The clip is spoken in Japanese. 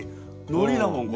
のりだもん